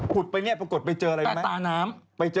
ผุดไปเนี่ยปรากฏไปเจออะไรไหม